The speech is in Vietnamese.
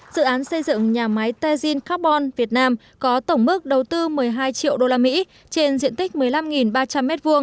dự án xây dựng nhà máy tejin carbon việt nam có tổng mức đầu tư một mươi hai triệu usd trên diện tích một mươi năm ba trăm linh m hai